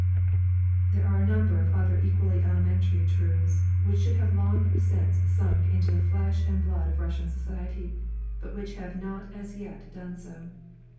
There are a number of other equally elementary truths which should have long since sunk into the flesh and blood of Russian society, but which have not as yet done so.